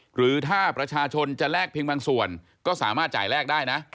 หรือถ้าประชาชนจะแลกเพียงบางส่วนก็สามารถจ่ายแลกได้นะ